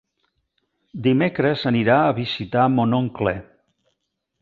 Dimecres anirà a visitar mon oncle.